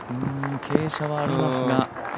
傾斜はありますが。